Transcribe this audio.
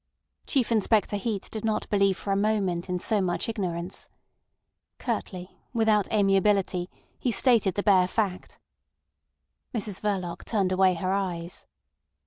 Chief Inspector Heat did not believe for a moment in so much ignorance. Curtly, without amiability, he stated the bare fact. Mrs Verloc turned away her eyes.